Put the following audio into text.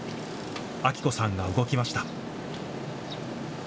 彰子さんが動きました。